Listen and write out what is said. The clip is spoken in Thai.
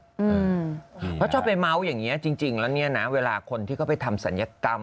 เพราะชอบไปเมาส์อย่างนี้จริงแล้วเนี่ยนะเวลาคนที่เขาไปทำศัลยกรรม